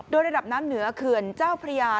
โดยระดับน้ำเหนือเขื่อนเจ้าพระยา